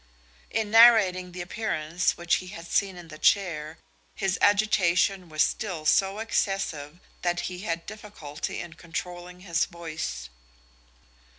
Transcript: In narrating the appearance which he had seen in the chair, his agitation was still so excessive that he had difficulty in controlling his voice.